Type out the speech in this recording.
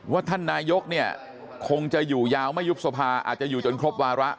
ท่านนายกเนี่ยคงจะอยู่ยาวไม่ยุบสภาอาจจะอยู่จนครบวาระ